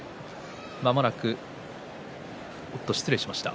まもなく失礼しました。